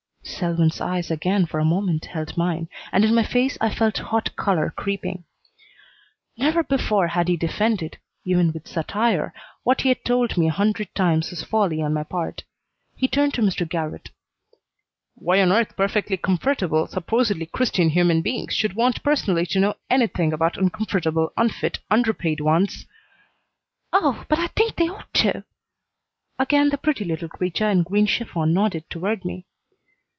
Selwyn's eyes again for a moment held mine, and in my face I felt hot color creeping. Never before had he defended, even with satire, what he had told me a hundred times was folly on my part. He turned to Mr. Garrott. "Why on earth perfectly comfortable, supposedly Christian human beings should want personally to know anything about uncomfortable, unfit, under paid ones " "Oh, but I think they ought to!" Again the pretty little creature in green chiffon nodded toward me.